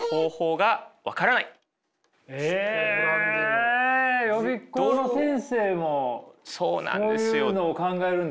悩みはへえ予備校の先生もそういうのを考えるんですか？